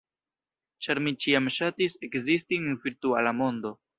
ĉar mi ĉiam ŝatis ekzisti en virtuala mondo.